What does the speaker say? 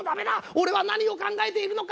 俺は何を考えているのか。